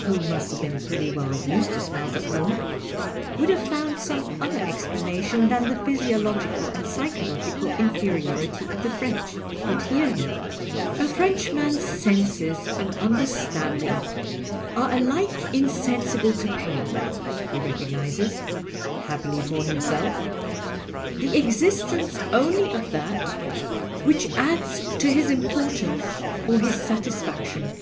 (who must have been pretty well \ised to smells at home) would have fomid some other explanation than the physiological and psychological inferiority of the French. But hear him. " A Frenchman's senses and understanding are alike insensible to pain — he recognizes (happily for him self) the exis tence only of that which adds to his importance or his satisfaction.